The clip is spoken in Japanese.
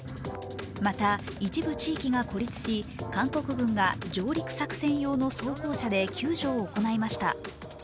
また、一部地域が孤立し、韓国軍が上陸作戦用の装甲車で救助を行いました。